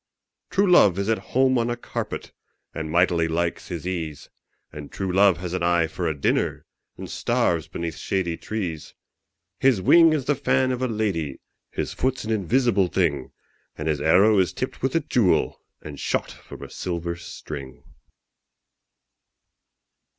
True love is at home on a carpet, And mightily likes his ease And true love has an eye for a dinner, And starves beneath shady trees. His wing is the fan of a lady, His foot's an invisible thing, And his arrow is tipped with a jewel, And shot from a silver string.